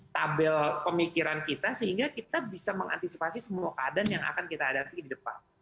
tabel pemikiran kita sehingga kita bisa mengantisipasi semua keadaan yang akan kita hadapi di depan